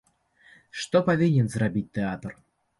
Што павінен зрабіць тэатр?